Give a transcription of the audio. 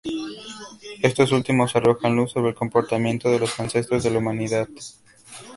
Estos últimos arrojan luz sobre el comportamiento de los ancestros de la humanidad.